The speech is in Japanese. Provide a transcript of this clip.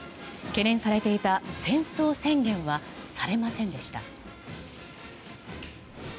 懸念されていた戦争宣言はされませんでした。